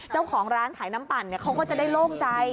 เจ้าของร้านขายน้ำปั่นเขาก็จะได้โล่งใจ